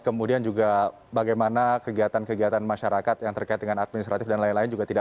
kemudian juga bagaimana kegiatan kegiatan masyarakat yang terkait dengan administratif ini